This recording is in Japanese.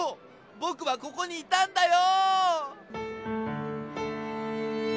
ボクはここにいたんだよ！